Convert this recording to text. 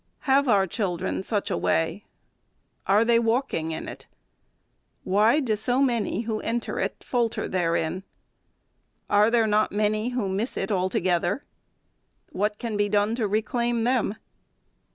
Have our children such a way ? Are they walking in it ?. Why do so many, who enter it, falter therein ? Are there not many who miss it altogether ? What can be done to re claim them